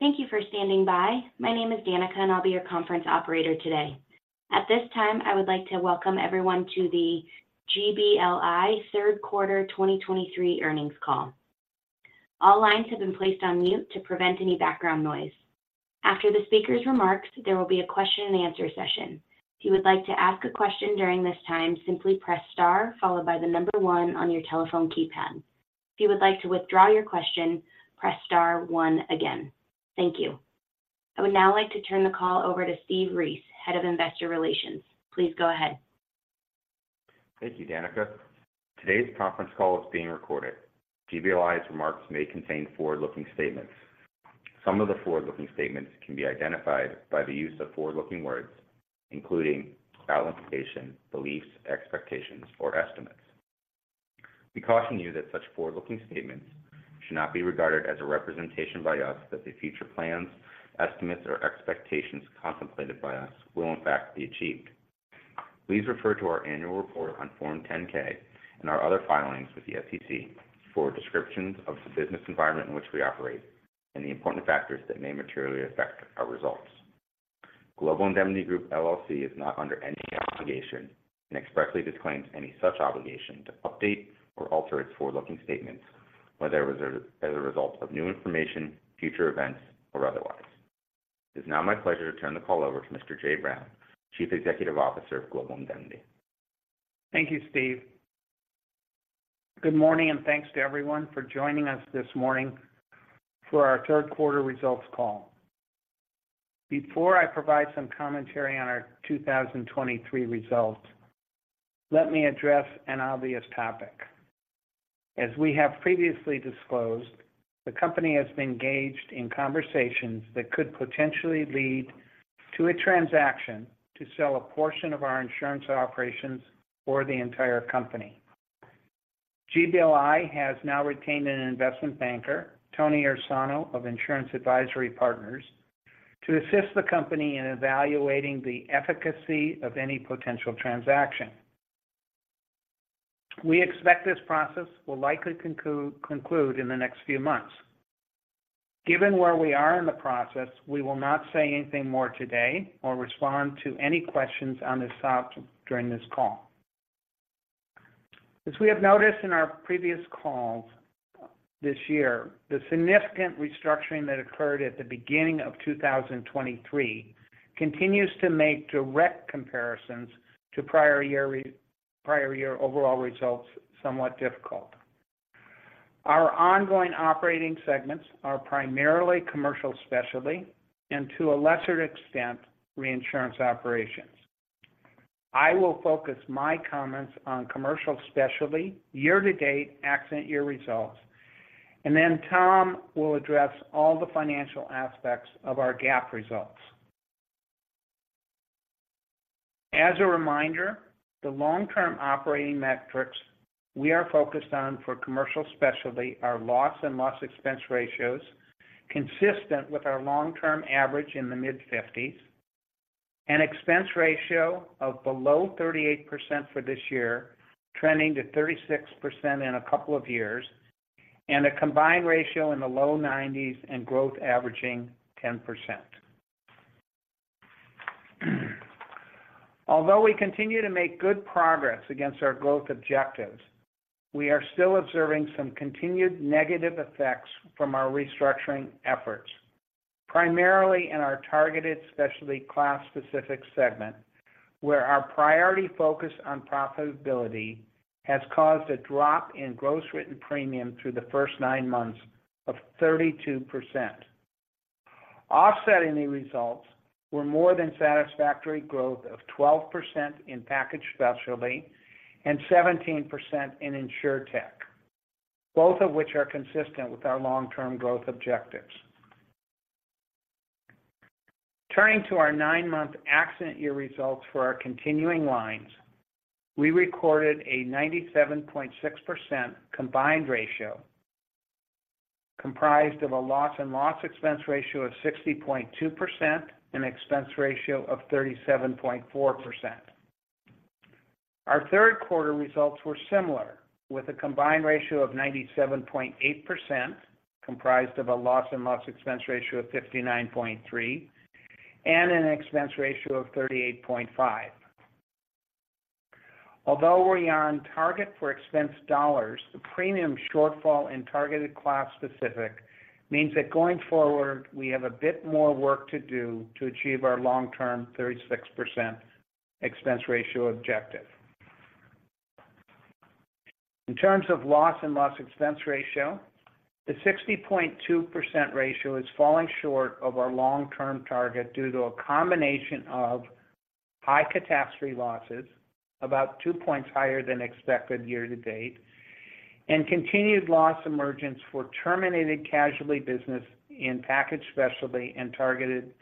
Thank you for standing by. My name is Danica, and I'll be your conference operator today. At this time, I would like to welcome everyone to the GBLI Third Quarter 2023 Earnings Call. All lines have been placed on mute to prevent any background noise. After the speaker's remarks, there will be a question and answer session. If you would like to ask a question during this time, simply press star followed by the number one on your telephone keypad. If you would like to withdraw your question, press star one again. Thank you. I would now like to turn the call over to Stephen Ries, Head of Investor Relations. Please go ahead. Thank you, Danica. Today's conference call is being recorded. GBLI's remarks may contain forward-looking statements. Some of the forward-looking statements can be identified by the use of forward-looking words, including allocation, beliefs, expectations, or estimates. We caution you that such forward-looking statements should not be regarded as a representation by us that the future plans, estimates, or expectations contemplated by us will in fact be achieved. Please refer to our annual report on Form 10-K and our other filings with the SEC for descriptions of the business environment in which we operate and the important factors that may materially affect our results. Global Indemnity Group, LLC is not under any obligation and expressly disclaims any such obligation to update or alter its forward-looking statements, whether as a result of new information, future events, or otherwise. It's now my pleasure to turn the call over to Mr. Jay Brown, Chief Executive Officer of Global Indemnity. Thank you, Steve. Good morning, and thanks to everyone for joining us this morning for our third quarter results call. Before I provide some commentary on our 2023 results, let me address an obvious topic. As we have previously disclosed, the company has been engaged in conversations that could potentially lead to a transaction to sell a portion of our insurance operations or the entire company. GBLI has now retained an investment banker, Tony Ursano of Insurance Advisory Partners, to assist the company in evaluating the efficacy of any potential transaction. We expect this process will likely conclude in the next few months. Given where we are in the process, we will not say anything more today or respond to any questions on this topic during this call. As we have noticed in our previous calls this year, the significant restructuring that occurred at the beginning of 2023 continues to make direct comparisons to prior year, prior year overall results, somewhat difficult. Our ongoing operating segments are primarily commercial specialty and to a lesser extent, Reinsurance Operations. I will focus my comments on commercial specialty, year-to-date, accident year results, and then Tom will address all the financial aspects of our GAAP results. As a reminder, the long-term operating metrics we are focused on for commercial specialty are loss and loss expense ratios, consistent with our long-term average in the mid-50s, an expense ratio of below 38% for this year, trending to 36% in a couple of years, and a combined ratio in the low 90s and growth averaging 10%. Although we continue to make good progress against our growth objectives, we are still observing some continued negative effects from our restructuring efforts, primarily in our Targeted Specialty class specific segment, where our priority focus on profitability has caused a drop in gross written premium through the first nine months of 32%. Offsetting the results were more than satisfactory growth of 12% in Package Specialty and 17% in InsurTech, both of which are consistent with our long-term growth objectives. Turning to our nine-month accident year results for our Continuing Lines, we recorded a 97.6% combined ratio, comprised of a loss and loss expense ratio of 60.2% and expense ratio of 37.4%. Our third quarter results were similar, with a combined ratio of 97.8%, comprised of a loss and loss expense ratio of 59.3 and an expense ratio of 38.5. Although we're on target for expense dollars, the premium shortfall in targeted class specific means that going forward, we have a bit more work to do to achieve our long-term 36% expense ratio objective. In terms of loss and loss expense ratio, the 60.2% ratio is falling short of our long-term target due to a combination of high catastrophe losses, about 2 points higher than expected year to date, and continued loss emergence for terminated casualty business in Package Specialty and Targeted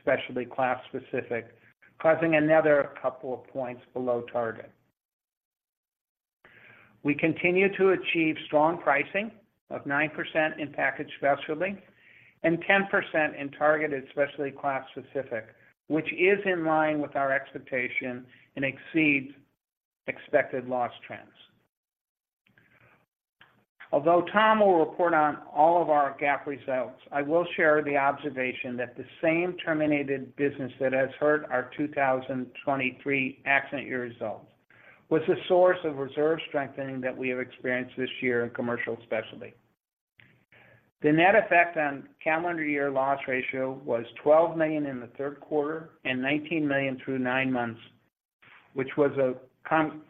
Specialty class specific, causing another couple of points below target. We continue to achieve strong pricing of 9% in Package Specialty and 10% in Targeted Specialty class specific, which is in line with our expectation and exceeds expected loss trends. Although Tom will report on all of our GAAP results, I will share the observation that the same terminated business that has hurt our 2023 accident year results, was the source of reserve strengthening that we have experienced this year in commercial specialty. The net effect on calendar year loss ratio was $12 million in the third quarter and $19 million through nine months, which translates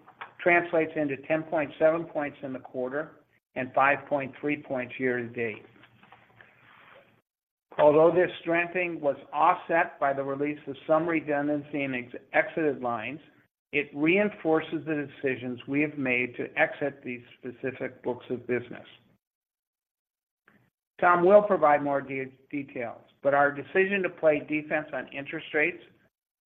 into 10.7 points in the quarter and 5.3 points year-to-date. Although this strengthening was offset by the release of some redundancy in Exited Lines, it reinforces the decisions we have made to exit these specific books of business. Tom will provide more details, but our decision to play defense on interest rates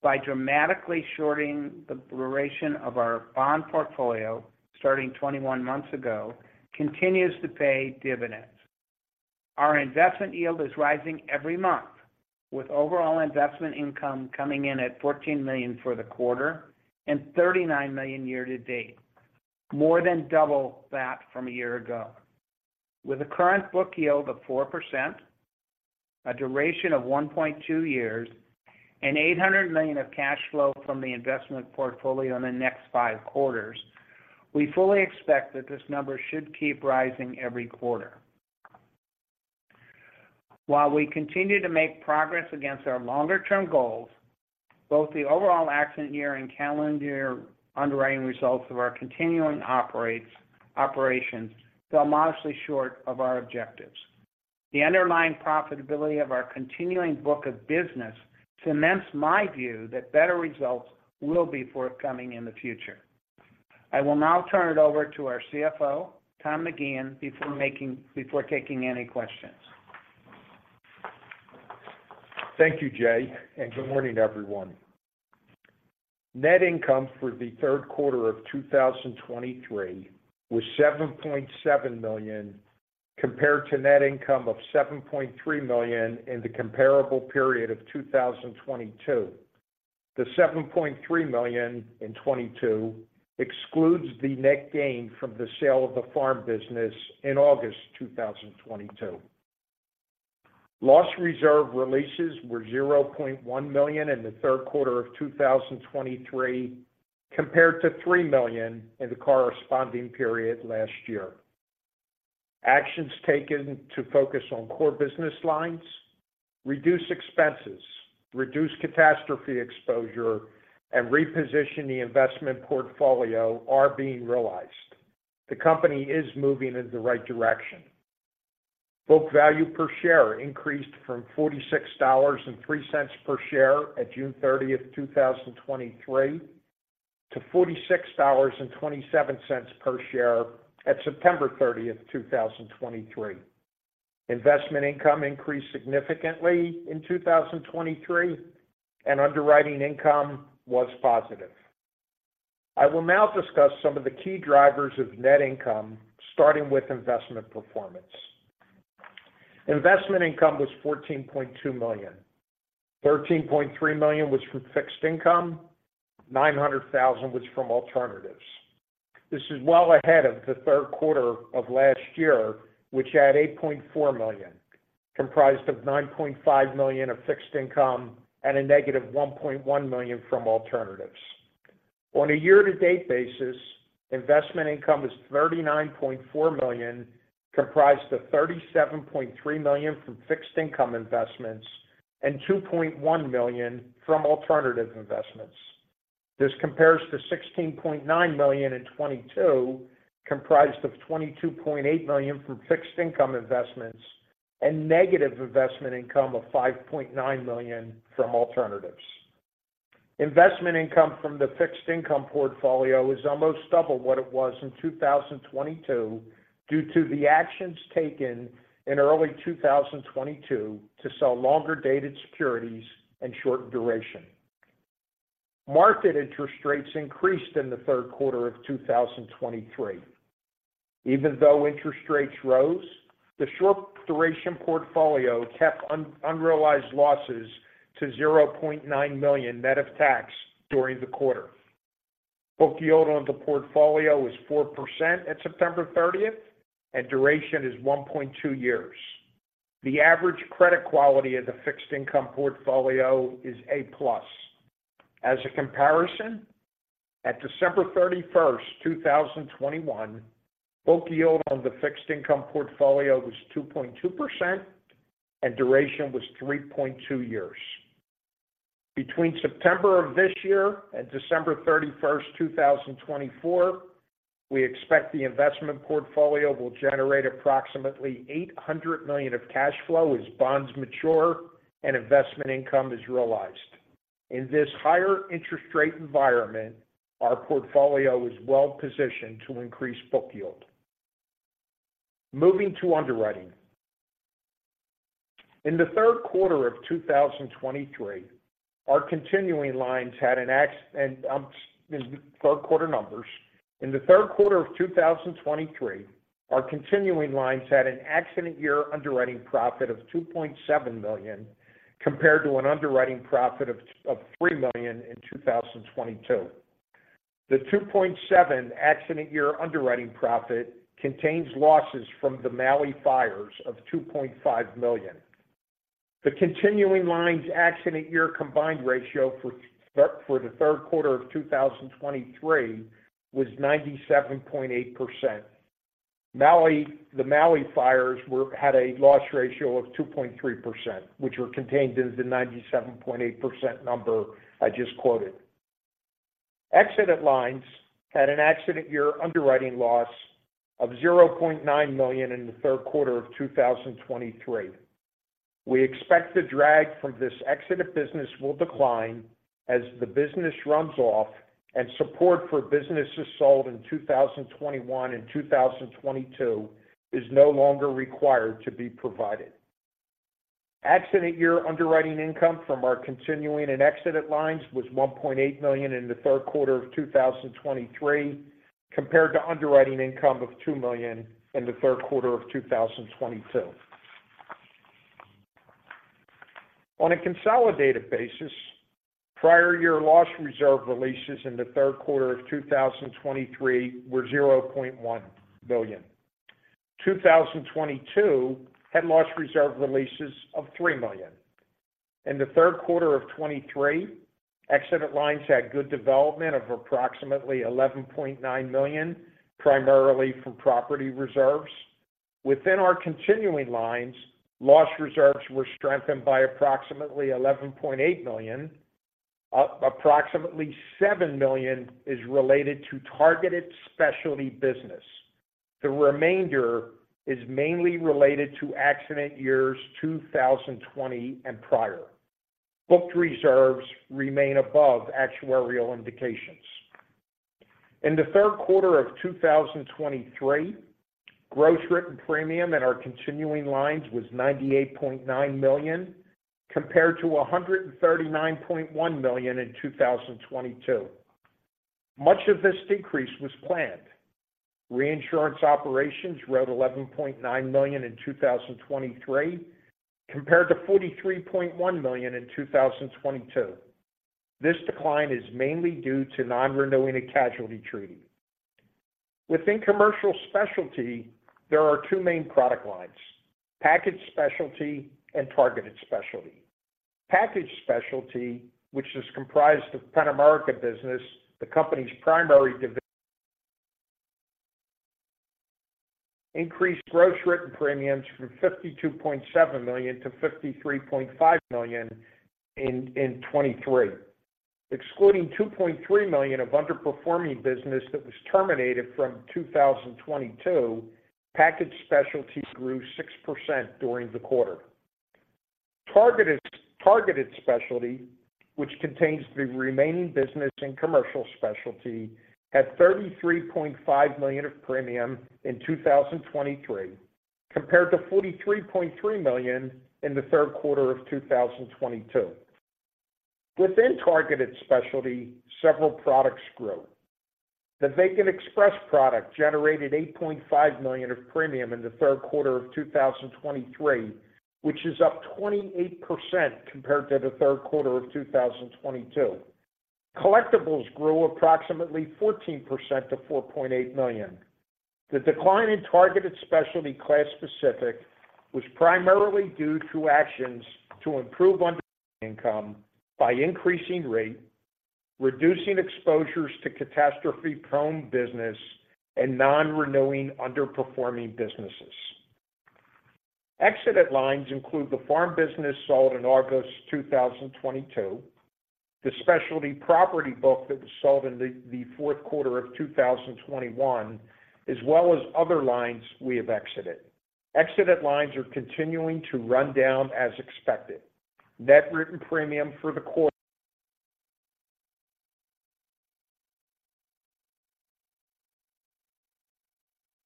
by dramatically shorting the duration of our bond portfolio, starting 21 months ago, continues to pay dividends. Our investment yield is rising every month, with overall investment income coming in at $14 million for the quarter and $39 million year to date, more than double that from a year ago. With a current book yield of 4%, a duration of 1.2 years, and $800 million of cash flow from the investment portfolio in the next five quarters, we fully expect that this number should keep rising every quarter. While we continue to make progress against our longer-term goals, both the overall accident year and calendar year underwriting results of our continuing operations fell modestly short of our objectives. The underlying profitability of our continuing book of business cements my view that better results will be forthcoming in the future. I will now turn it over to our CFO, Tom McGeehan, before taking any questions. Thank you, Jay, and good morning, everyone. Net income for the third quarter of 2023 was $7.7 million, compared to net income of $7.3 million in the comparable period of 2022. The $7.3 million in 2022 excludes the net gain from the sale of the Farm business in August 2022. Loss reserve releases were $0.1 million in the third quarter of 2023, compared to $3 million in the corresponding period last year. Actions taken to focus on core business lines, reduce expenses, reduce catastrophe exposure, and reposition the investment portfolio are being realized. The company is moving in the right direction. Book value per share increased from $46.03 per share at June 30, 2023, to $46.27 per share at September 30, 2023. Investment income increased significantly in 2023, and underwriting income was positive. I will now discuss some of the key drivers of net income, starting with investment performance. Investment income was $14.2 million. $13.3 million was from fixed income, $900,000 was from alternatives. This is well ahead of the third quarter of last year, which had $8.4 million, comprised of $9.5 million of fixed income and -$1.1 million from alternatives. On a year-to-date basis, investment income is $39.4 million, comprised of $37.3 million from fixed income investments and $2.1 million from alternative investments. This compares to $16.9 million in 2022, comprised of $22.8 million from fixed income investments and negative investment income of $5.9 million from alternatives. Investment income from the fixed income portfolio is almost double what it was in 2022, due to the actions taken in early 2022 to sell longer-dated securities and short duration. Market interest rates increased in the third quarter of 2023. Even though interest rates rose, the short duration portfolio kept unrealized losses to $0.9 million net of tax during the quarter. Book yield on the portfolio is 4% at September 30, and duration is 1.2 years. The average credit quality of the fixed income portfolio is A+. As a comparison, at December 31, 2021, book yield on the fixed income portfolio was 2.2%, and duration was 3.2 years. Between September of this year and December 31, 2024, we expect the investment portfolio will generate approximately $800 million of cash flow as bonds mature and investment income is realized. In this higher interest rate environment, our portfolio is well positioned to increase book yield. Moving to underwriting. In the third quarter of 2023, our Continuing Lines had an accident year underwriting profit of $2.7 million, compared to an underwriting profit of $3 million in 2022. The 2.7 accident year underwriting profit contains losses from the Maui fires of $2.5 million. The Continuing Lines accident year combined ratio for the third quarter of 2023 was 97.8%. Maui, the Maui fires had a loss ratio of 2.3%, which were contained in the 97.8% number I just quoted. Exited Lines had an accident year underwriting loss of $0.9 million in the third quarter of 2023. We expect the drag from this exited business will decline as the business runs off, and support for businesses sold in 2021 and 2022 is no longer required to be provided. Accident year underwriting income from our continuing and Exited Lines was $1.8 million in the third quarter of 2023, compared to underwriting income of $2 million in the third quarter of 2022. On a consolidated basis, prior year loss reserve releases in the third quarter of 2023 were $0.1 billion. 2022 had loss reserve releases of $3 million. In the third quarter of 2023, Exited Lines had good development of approximately $11.9 million, primarily from property reserves. Within our Continuing Lines, loss reserves were strengthened by approximately $11.8 million. Approximately $7 million is related to Targeted Specialty business. The remainder is mainly related to accident years 2020 and prior. Booked reserves remain above actuarial indications. In the third quarter of 2023, gross written premium in our Continuing Lines was $98.9 million, compared to $139.1 million in 2022. Much of this decrease was planned. Reinsurance Operations wrote $11.9 million in 2023, compared to $43.1 million in 2022. This decline is mainly due to non-renewing a casualty treaty. Within commercial specialty, there are two main product lines: Package Specialty and Targeted Specialty. Package Specialty, which is comprised of Penn-America business, the company's primary division, increased gross written premiums from $52.7 million-$53.5 million in 2023. Excluding $2.3 million of underperforming business that was terminated from 2022, Package Specialty grew 6% during the quarter. Targeted Specialty, which contains the remaining business and commercial specialty, had $33.5 million of premium in 2023, compared to $43.3 million in the third quarter of 2022. Within Targeted Specialty, several products grew. The Vacant Express product generated $8.5 million of premium in the third quarter of 2023, which is up 28% compared to the third quarter of 2022. Collectibles grew approximately 14% to $4.8 million. The decline in Targeted Specialty class specific was primarily due to actions to improve underwriting income by increasing rate, reducing exposures to catastrophe-prone business, and non-renewing underperforming businesses. Exited Lines include the Farm business sold in August 2022, the Specialty Property book that was sold in the fourth quarter of 2021, as well as other lines we have exited. Excess lines are continuing to run down as expected. Net written premium for the quarter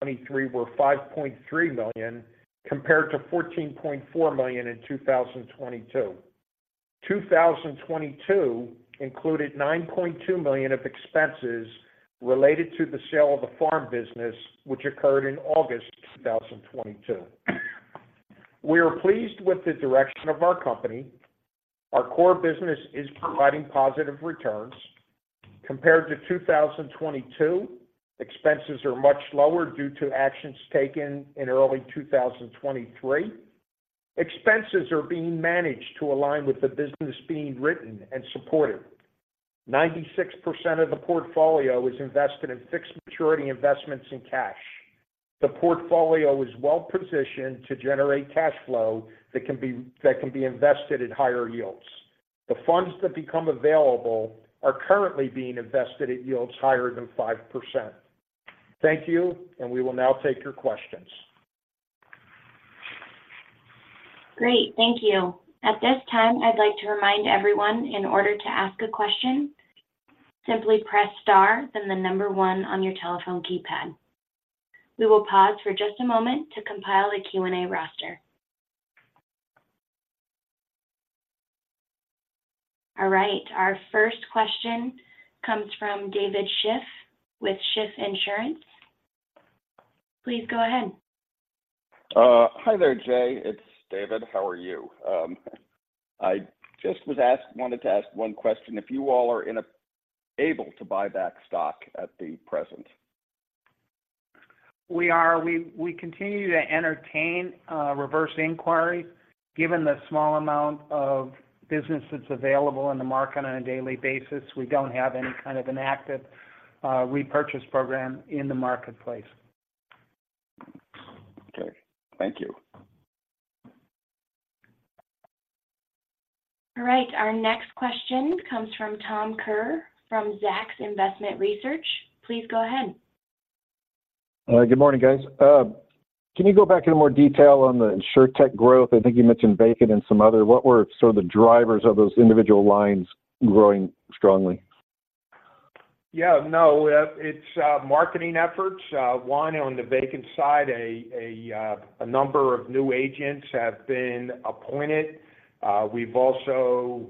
2023 were $5.3 million, compared to $14.4 million in 2022. 2022 included $9.2 million of expenses related to the sale of the Farm business, which occurred in August 2022. We are pleased with the direction of our company. Our core business is providing positive returns. Compared to 2022, expenses are much lower due to actions taken in early 2023. Expenses are being managed to align with the business being written and supported. 96% of the portfolio is invested in fixed maturity investments in cash. The portfolio is well-positioned to generate cash flow that can be, that can be invested at higher yields. The funds that become available are currently being invested at yields higher than 5%. Thank you, and we will now take your questions. Great, thank you. At this time, I'd like to remind everyone, in order to ask a question, simply press star, then the number one on your telephone keypad. We will pause for just a moment to compile a Q&A roster. All right, our first question comes from David Schiff with Schiff Insurance. Please go ahead. Hi there, Jay. It's David. How are you? I just wanted to ask one question: If you all are able to buy back stock at the present? We continue to entertain reverse inquiry, given the small amount of business that's available in the market on a daily basis. We don't have any kind of an active repurchase program in the marketplace. Okay, thank you. All right. Our next question comes from Tom Kerr from Zacks Investment Research. Please go ahead. Good morning, guys. Can you go back into more detail on the InsurTech growth? I think you mentioned Vacant and some other. What were sort of the drivers of those individual lines growing strongly? Yeah. No, it's marketing efforts. One, on the Vacant side, a number of new agents have been appointed. We've also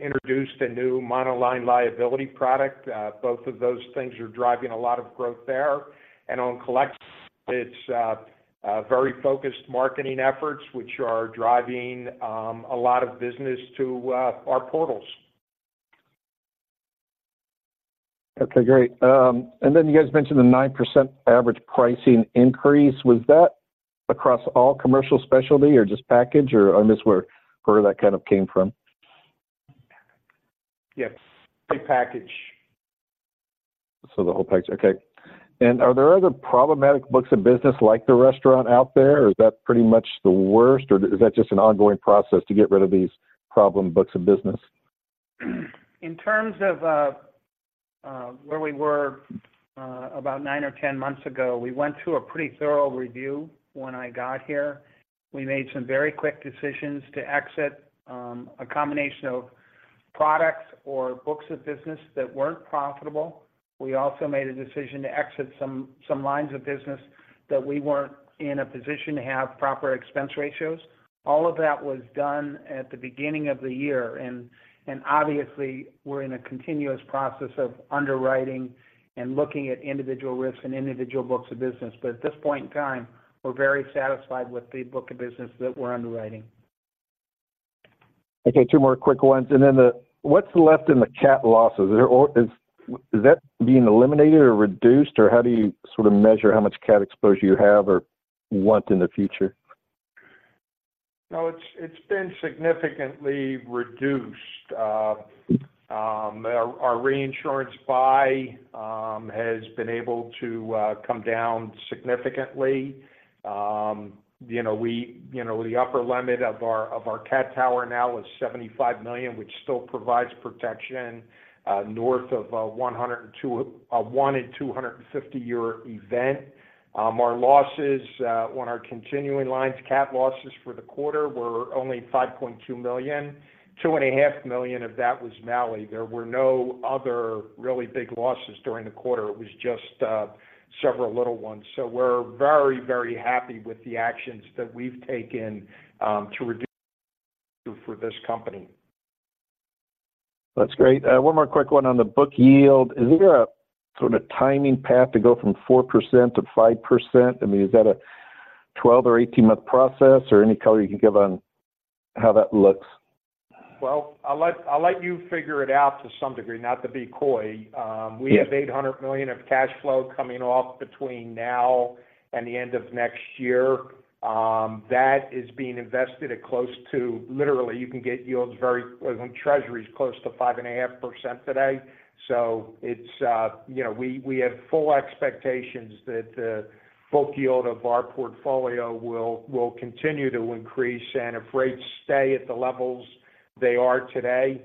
introduced a new monoline liability product. Both of those things are driving a lot of growth there. And on collect, it's a very focused marketing efforts, which are driving a lot of business to our portals. Okay, great. And then you guys mentioned the 9% average pricing increase. Was that across all commercial specialty or just package, or I miss where that kind of came from? Yes, a package. The whole package. Okay. Are there other problematic books of business like the restaurant out there, or is that pretty much the worst, or is that just an ongoing process to get rid of these problem books of business? In terms of where we were about nine or 10 months ago, we went through a pretty thorough review when I got here. We made some very quick decisions to exit a combination of products or books of business that weren't profitable. We also made a decision to exit some lines of business that we weren't in a position to have proper expense ratios. All of that was done at the beginning of the year, and obviously, we're in a continuous process of underwriting and looking at individual risks and individual books of business. But at this point in time, we're very satisfied with the book of business that we're underwriting. Okay, two more quick ones, and then the. What's left in the cat losses? Is there or is that being eliminated or reduced, or how do you sort of measure how much cat exposure you have or want in the future? No, it's been significantly reduced. Our Reinsurance buy has been able to come down significantly. You know, the upper limit of our cat tower now is $75 million, which still provides protection north of 102... one in 250-year event. Our losses on our Continuing Lines, cat losses for the quarter were only $5.2 million, $2.5 million of that was Maui. There were no other really big losses during the quarter. It was just several little ones. So we're very, very happy with the actions that we've taken to reduce for this company. That's great. One more quick one on the book yield. Is there a sort of timing path to go from 4%-5%? I mean, is that a 12- or 18-month process or any color you can give on how that looks? Well, I'll let you figure it out to some degree, not to be coy- Yeah... we have $800 million of cash flow coming off between now and the end of next year. That is being invested at close to, literally, you can get yields very on treasuries, close to 5.5% today. So it's, you know, we, we have full expectations that, book yield of our portfolio will, will continue to increase, and if rates stay at the levels they are today,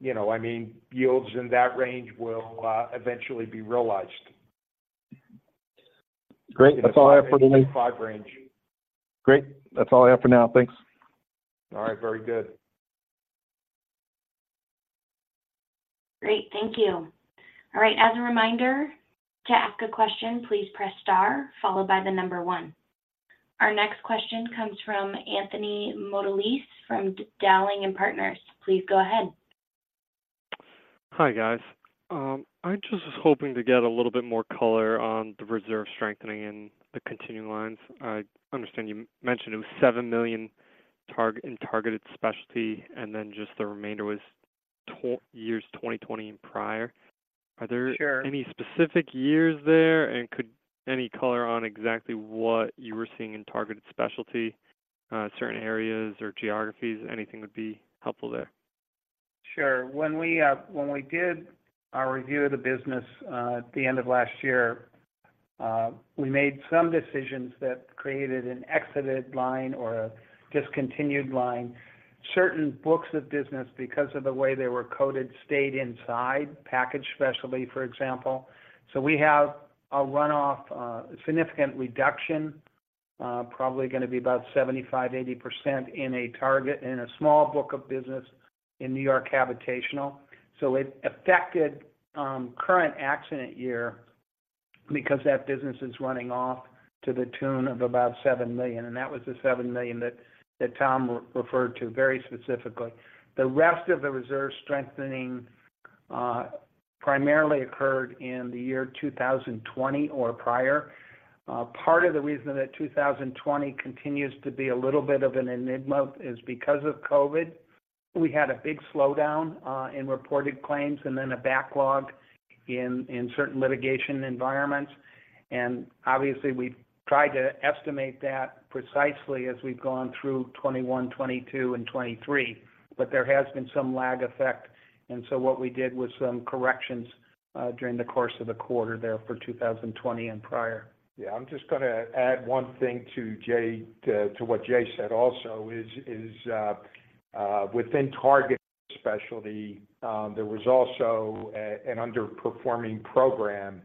you know, I mean, yields in that range will eventually be realized. Great. That's all I have for today. Five range. Great. That's all I have for now. Thanks. All right. Very good. Great. Thank you. All right, as a reminder, to ask a question, please press star followed by the number one. Our next question comes from Anthony Mottolese, from Dowling & Partners. Please go ahead. Hi, guys. I just was hoping to get a little bit more color on the reserve strengthening in the Continuing Lines. I understand you mentioned it was $7 million in Targeted Specialty, and then just the remainder was years 2020 and prior. Sure. Are there any specific years there, and could any color on exactly what you were seeing in Targeted Specialty, certain areas or geographies, anything would be helpful there? Sure. When we did our review of the business at the end of last year, we made some decisions that created an Exited Line or a Discontinued Line. Certain books of business, because of the way they were coded, stayed inside Package Specialty, for example. So we have a runoff, significant reduction, probably going to be about 75%-80% in a target, in a small book of business in New York habitational. So it affected current accident year because that business is running off to the tune of about $7 million, and that was the $7 million that Tom referred to very specifically. The rest of the reserve strengthening primarily occurred in the year 2020 or prior. Part of the reason that 2020 continues to be a little bit of an enigma is because of COVID. We had a big slowdown in reported claims and then a backlog in certain litigation environments. Obviously, we've tried to estimate that precisely as we've gone through 2021, 2022, and 2023, but there has been some lag effect. So what we did was some corrections during the course of the quarter there for 2020 and prior. Yeah, I'm just gonna add one thing to Jay, to what Jay said. Also, within Target Specialty, there was also an underperforming program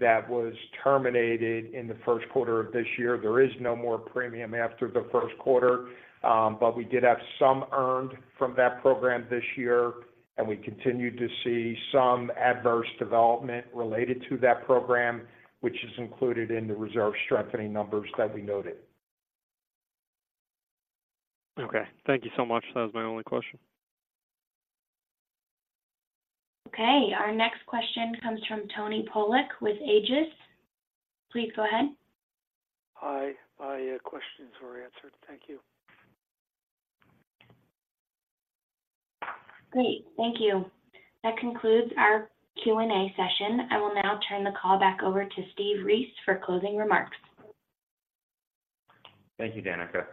that was terminated in the first quarter of this year. There is no more premium after the first quarter, but we did have some earned from that program this year, and we continued to see some adverse development related to that program, which is included in the reserve strengthening numbers that we noted. Okay. Thank you so much. That was my only question. Okay, our next question comes from Tony Pollock with Aegis. Please go ahead. Hi. My questions were answered. Thank you. Great, thank you. That concludes our Q&A session. I will now turn the call back over to Stephen Ries for closing remarks. Thank you, Danica.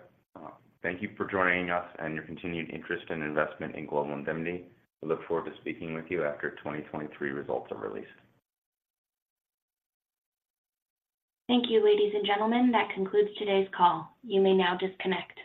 Thank you for joining us and your continued interest and investment in Global Indemnity. We look forward to speaking with you after 2023 results are released. Thank you, ladies and gentlemen. That concludes today's call. You may now disconnect.